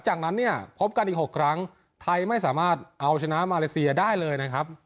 จากนั้นเนี่ยพบกันอีก๖ครั้งไทยไม่สามารถเอาชนะมาเลเซียได้เลยนะครับ